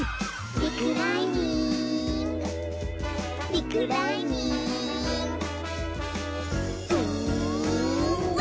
「リクライニング」「リクライニング」ウーワォ！